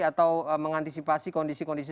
atau mengantisipasi kondisi kondisi